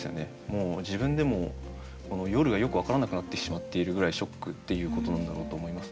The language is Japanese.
もう自分でも夜がよく分からなくなってしまっているぐらいショックっていうことなんだろうと思います。